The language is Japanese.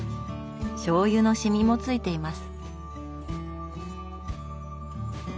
しょうゆのシミもついています。